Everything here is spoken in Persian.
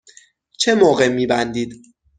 چه موقع می بندید؟